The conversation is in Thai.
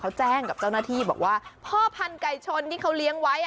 เขาแจ้งกับเจ้าหน้าที่บอกว่าพ่อพันธุ์ไก่ชนที่เขาเลี้ยงไว้